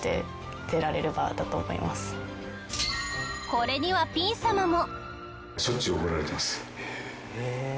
これにはピン様も。